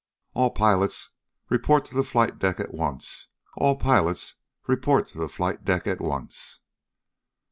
"All pilots report to the flight deck at once! All pilots report to the flight deck at once!"